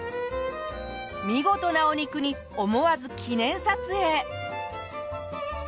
見事なお肉に思わず記念撮影。